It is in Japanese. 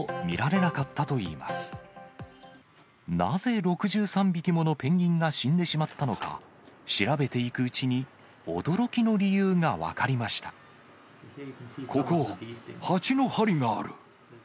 なぜ６３匹ものペンギンが死んでしまったのか、調べていくうちに、ここ、ハチの針がある。